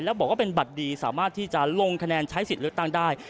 แล้วบอกว่าเป็นบัตรดีสามารถที่จะลงคะแนนใช้สิทธิ์เลือกตั้งได้